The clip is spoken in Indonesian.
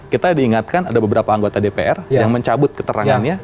kita diingatkan ada beberapa anggota dpr yang mencabut keterangannya